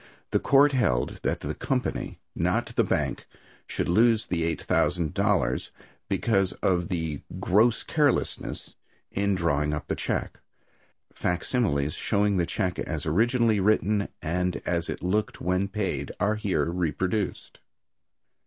The court held that the company, and not the bank, should lose the eight thousand dollars, because of the "gross carelessness" in drawing up the check. Facsimiles showing the check as originally written and as it looked when paid are here reproduced.